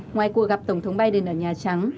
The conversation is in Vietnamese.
ngoài cuộc gặp tổng thống biden ở nhà trang